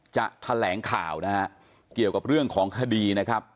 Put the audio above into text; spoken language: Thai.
จะแถลงข่าวนะฮะเกี่ยวกับเรื่องของคดีนะครับ